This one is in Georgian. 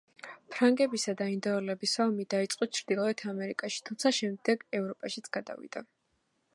ფრანგებისა და ინდიელების ომი დაიწყო ჩრდილოეთ ამერიკაში თუმცა შემდეგ ევროპაშიც გადავიდა.